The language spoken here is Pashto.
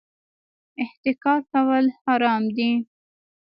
احتکار کول حرام دي